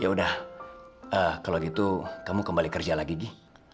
ya sudah kalau begitu kamu kembali kerja lagi gi